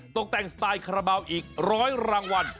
ตกแต่งสไตล์คาราบาลอีก๑๐๐รางวัล